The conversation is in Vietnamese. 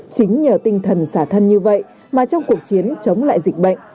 chính nhờ tinh thần xả thân như vậy mà trong cuộc chiến chống lại dịch bệnh